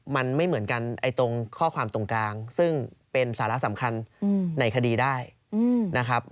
มันไม่เหมือนกันตรงข้อความตรงกลางซึ่งเป็นสาระสำคัญในคดีได้นะครับ